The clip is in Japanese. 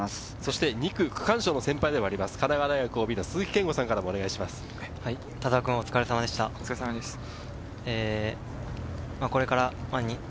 ２区区間賞の先輩でもあります、神奈川大学の鈴木健吾さんからもお願いします。